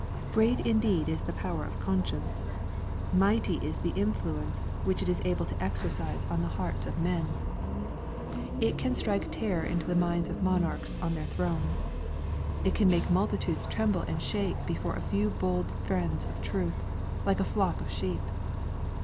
Great indeed is the power of conscience 1 Mighty ia the influence which it is able to exercise on the hearts o( 21 482 EXPOSITORY THOUGHTS. men I It can strike terror into the minds of mouarchs on their thrones. It can make multitudes tremble and shake before a few bold friends of truths like a flock of sheep.